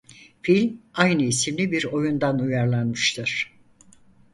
Film aynı isimli bir oyundan uyarlanmıştır.